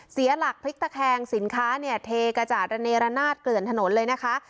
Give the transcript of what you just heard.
เสียหลักพลิกตะแคงสินค้าเนี่ยเทกระจาดระเนรนาศเกลื่อนถนนเลยนะคะ